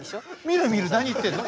見る見る何言ってんの。